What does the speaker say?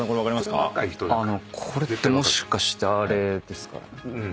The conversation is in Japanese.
これってもしかしてあれですか？